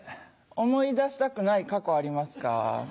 思い出したくない過去ありますか？